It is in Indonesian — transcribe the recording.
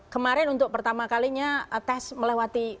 kemarin untuk pertama kalinya tes melewati